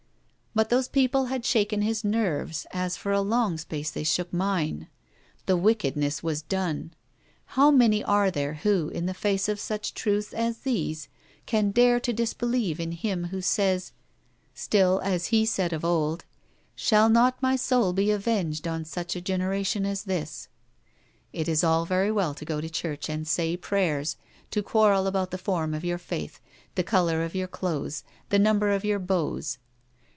But those people had shaken his nerves, as for a long space they shook mine. The wickedness was done. How many are there who, in the face of such truths as these, can dare to disbelieve in Him who says still as He said of old, 'Shall not my soul be avenged on such a generation as this?' It is all very well to go to church and 'say' prayers, to quarrel about the form of your faith, the colour of your clothes, the number of your bows.